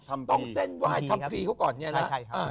ทำพีเขาก่อนเนี่ยนะ